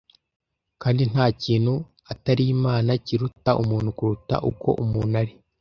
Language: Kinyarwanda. Kandi nta kintu, atari Imana, kiruta umuntu kuruta uko umuntu ari,